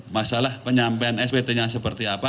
masalah penyampaian spt nya seperti apa